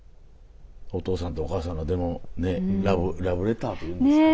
お父さんとお母さんのでもねラブレターというんですかね。